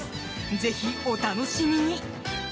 ぜひ、お楽しみに。